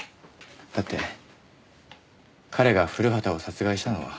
だって彼が古畑を殺害したのは。